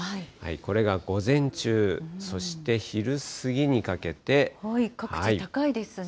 これが午前中、各地、高いですね。